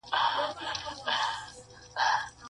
هنر خاموش زر پرستي وه پکښې,